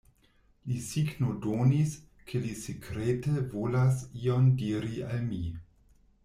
Li signodonis, ke li sekrete volas ion diri al mi.